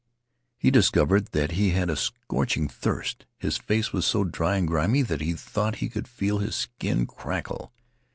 He discovered that he had a scorching thirst. His face was so dry and grimy that he thought he could feel his skin crackle.